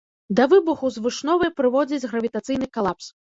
Да выбуху звышновай прыводзіць гравітацыйны калапс.